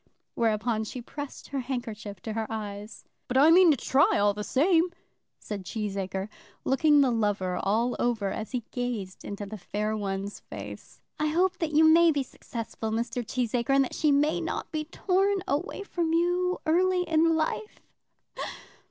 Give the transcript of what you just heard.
Whereupon she pressed her handkerchief to her eyes. "But I mean to try all the same," said Cheesacre, looking the lover all over as he gazed into the fair one's face. "I hope that you may be successful, Mr. Cheesacre, and that she may not be torn away from you early in life.